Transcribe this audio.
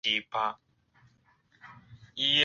男主演洼田正孝由作者选定。